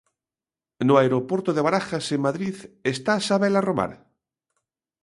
No aeroporto de Barajas, en Madrid, está Sabela Romar?